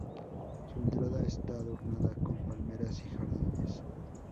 Su entrada está adornada con palmeras y jardines.